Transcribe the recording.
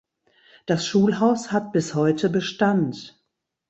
Das Schulhaus hat bis heute Bestand.